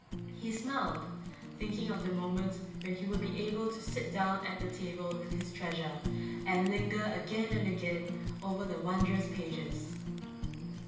He smiled, thinking of the moment when he would be able to sit down at the table with his treasure, and linger again and again over the wonderous pages.